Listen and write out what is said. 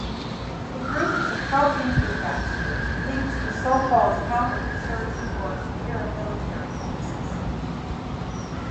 The group is a pro-Indian faction, linked to the so-called counter-insurgent or paramilitary forces.